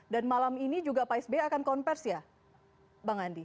dan malam ini juga pak sbe akan konvers ya bang andi